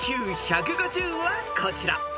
［ＩＱ１５０はこちら］